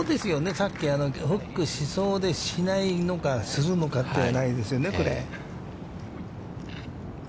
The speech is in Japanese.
さっきフックしそうでしないのかするのかって、ラインですよね。